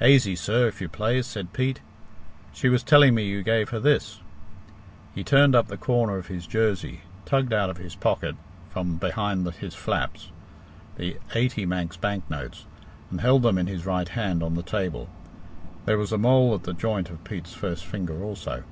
"Aisy, sir, if you plaze," said Pete; "she was telling me you gave her this." He turned up the corner of his jersey, tugged out of his pocket, from behind his flaps, the eighty Manx bank notes, and held them in his right hand on the table. There was a mole at the joint of Pete's first finger also.